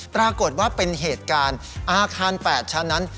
ปรากฏว่าเป็นเหตุการณ์อาคาร๘ชั้นนั้น